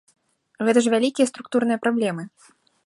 Гэта ж вялікія структурныя праблемы.